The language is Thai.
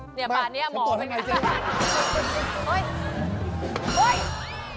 จะตรวจไม่ให้เจ๊